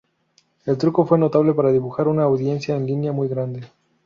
El truco fue notable para dibujar una audiencia en línea muy grande.